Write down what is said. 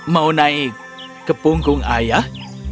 mau naik ke punggung ayah